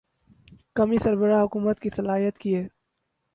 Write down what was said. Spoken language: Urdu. کمی سربراہ حکومت کی صلاحیت کی ہے۔